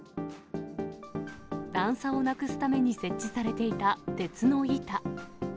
段差をなくすために設置されていた鉄の板。